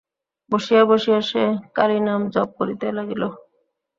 বসিয়া বসিয়া সে কালীনাম জপ করিতে লাগিল।